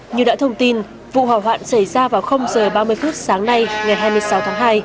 như đã thông tin vụ hỏa hoạn xảy ra vào h ba mươi phút sáng nay ngày hai mươi sáu tháng hai